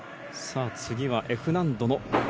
次は、Ｆ難度の技。